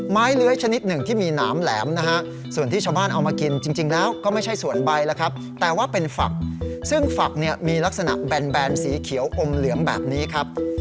เลื้อยชนิดหนึ่งที่มีหนามแหลมนะฮะส่วนที่ชาวบ้านเอามากินจริงแล้วก็ไม่ใช่ส่วนใบแล้วครับแต่ว่าเป็นฝักซึ่งฝักเนี่ยมีลักษณะแบนสีเขียวอมเหลืองแบบนี้ครับ